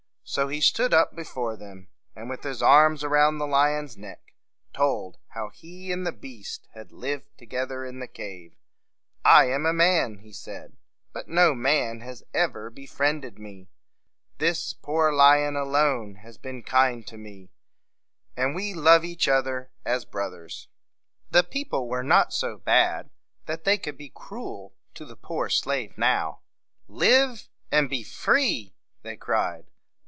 So he stood up before them, and, with his arm around the lion's neck, told how he and the beast had lived together in the cave. "I am a man," he said; "but no man has ever befriended me. This poor lion alone has been kind to me; and we love each other as brothers." The people were not so bad that they could be cruel to the poor slave now. "Live and be free!" they cried.